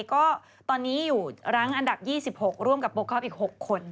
ก็ตอนนี้อยู่รั้งอันดับ๒๖ร่วมกับโปรคอปอีก๖คน